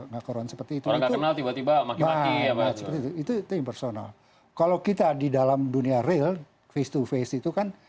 gak kekurangan seperti itu itu impersonal kalau kita di dalam dunia real face to face itu kan